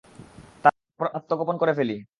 তারপর আত্মগোপন করে ফেলি।